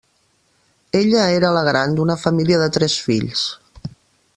Ella era la gran d'una família de tres fills.